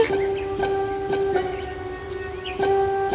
aku sudah menemukan mawar ajaib